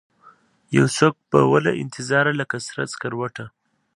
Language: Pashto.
یوڅوک به ووله انتظاره لکه سره سکروټه